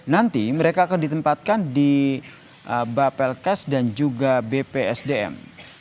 nanti mereka akan ditempatkan di bapelkes dan juga bpsdm